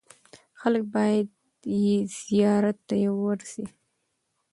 خلک باید یې زیارت ته ورسي.